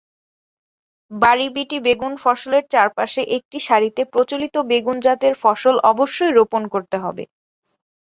বারি BT বেগুন ফসলের চারপাশে একটি সারিতে প্রচলিত বেগুন জাতের ফসল অবশ্যই রোপণ করতে হবে।